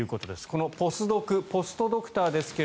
このポスドクポストドクターですが